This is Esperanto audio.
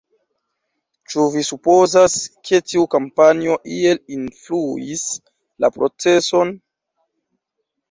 Ĉu vi supozas, ke tiu kampanjo iel influis la proceson?